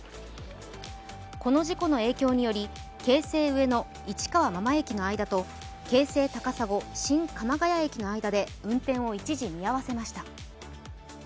この事故の影響により京成上野−市川真間駅の間と京成高砂駅−新鎌ケ谷駅の間で運転を一時見合わせました。